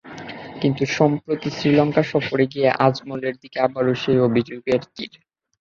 কিন্তু সম্প্রতি শ্রীলঙ্কা সফরে গিয়ে আজমলের দিকে আবারও সেই অভিযোগের তির।